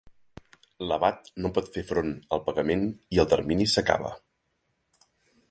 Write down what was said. L'abat no pot fer front al pagament i el termini s'acaba.